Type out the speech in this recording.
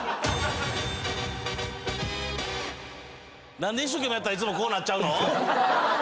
何で一生懸命やったらいつもこうなっちゃうの？